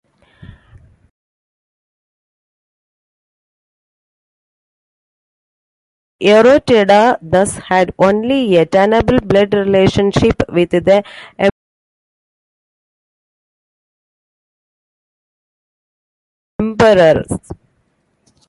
Yoritada thus had only a tenable blood relationship with the Emperors.